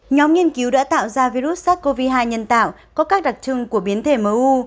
nhóm nghiên cứu đã tạo ra virus sars cov hai nhân tạo có các đặc trưng của biến thể mu